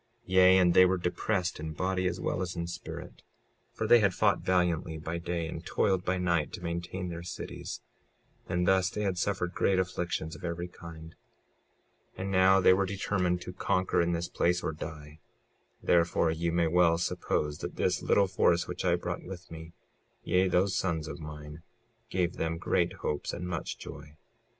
56:16 Yea, and they were depressed in body as well as in spirit, for they had fought valiantly by day and toiled by night to maintain their cities; and thus they had suffered great afflictions of every kind. 56:17 And now they were determined to conquer in this place or die; therefore you may well suppose that this little force which I brought with me, yea, those sons of mine, gave them great hopes and much joy.